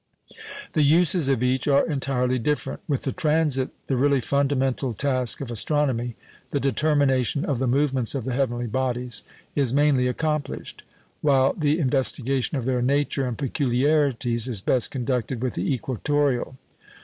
The uses of each are entirely different. With the transit, the really fundamental task of astronomy the determination of the movements of the heavenly bodies is mainly accomplished; while the investigation of their nature and peculiarities is best conducted with the equatoreal.